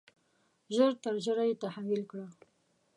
ژر تر ژره یې تحویل کړه.